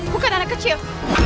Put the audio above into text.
bukan anak kecil